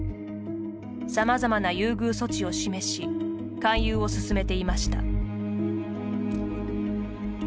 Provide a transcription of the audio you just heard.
さまざまな優遇措置を示し勧誘を進めていました。